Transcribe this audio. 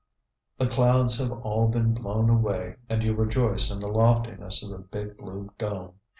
The clouds have all been blown away and you rejoice in the loftiness of the big blue dome.